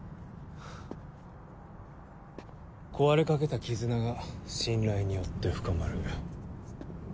壊れかけた絆が信頼によって深まる。